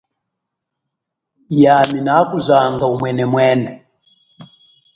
Yami nakuzanga umwenemwene.